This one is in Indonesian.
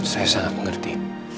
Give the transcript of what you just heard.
saya sangat mengerti